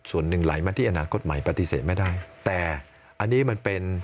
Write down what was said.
ส่วนหนึ่งไหลมาที่อนาคตใหม่ปฏิเสธไม่ได้แต่อันนี้มันเป็น